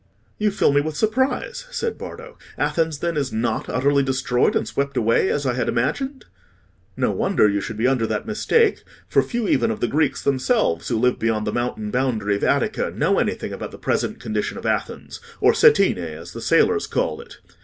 "You fill me with surprise," said Bardo. "Athens, then, is not utterly destroyed and swept away, as I had imagined?" "No wonder you should be under that mistake, for few even of the Greeks themselves, who live beyond the mountain boundary of Attica, know anything about the present condition of Athens, or Setine, as the sailors call it.